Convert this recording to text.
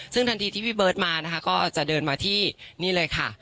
ซึ่งทันทีที่พี่เบิร์ตมานะคะก็จะเดินมาที่นี่เลยค่ะ